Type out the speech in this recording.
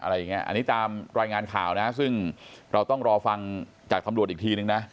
อันนี้ตามรายงานข่าวนะซึ่งเราต้องรอฟังจากทำรวจอีกทีนึงนะ